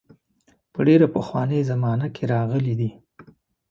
په ډېره پخوانۍ زمانه کې راغلي دي.